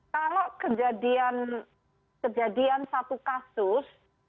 kalau kejadian satu kasus